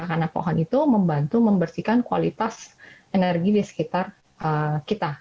karena pohon itu membantu membersihkan kualitas energi di sekitar kita